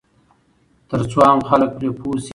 ترڅو عام خلک پرې پوه شي.